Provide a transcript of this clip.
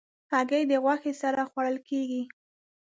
هګۍ د غوښې سره خوړل کېږي.